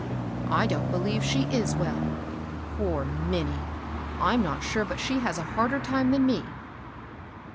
" I don't believe she is well. Poor Minnie 1 I'm not sure but she has a harder time than me."